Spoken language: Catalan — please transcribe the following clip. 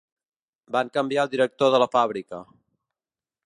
Van canviar el director de la fàbrica.